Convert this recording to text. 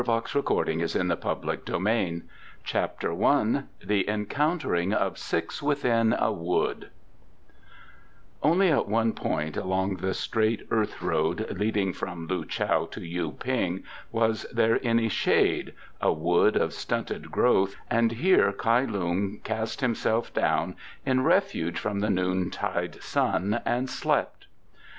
HILAIRE BELLOC KAI LUNG'S GOLDEN HOURS CHAPTER I The Encountering of Six within a Wood Only at one point along the straight earth road leading from Loo chow to Yu ping was there any shade, a wood of stunted growth, and here Kai Lung cast himself down in refuge from the noontide sun and slept.